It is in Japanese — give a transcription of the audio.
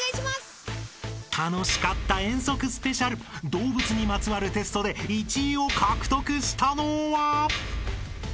動物にまつわるテストで１位を獲得したのは？］